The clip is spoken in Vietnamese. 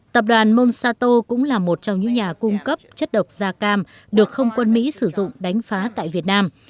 tập đoàn monsato cũng là một trong những nhà cung cấp chất độc da cam được không quân mỹ sử dụng đánh phá tại việt nam